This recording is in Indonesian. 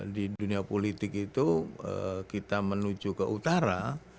di dunia politik itu kita menuju ke utara